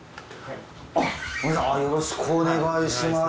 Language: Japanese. よろしくお願いします。